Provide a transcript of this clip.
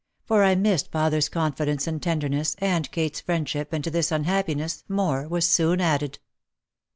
For I missed father's confidence and tenderness and Kate's friendship and to this unhappiness more was soon added.